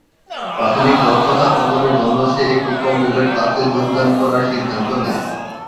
প্রাথমিক দক্ষতা অর্জনের জন্য সে একটি কম্পিউটার ক্লাসে যোগদান করার সিদ্ধান্ত নেয়।